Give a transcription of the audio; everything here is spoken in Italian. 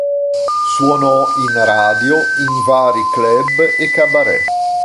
Suonò in radio, in vari club e cabaret.